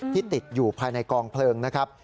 ติดอยู่ภายในกองเพลิงนะครับ